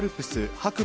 白馬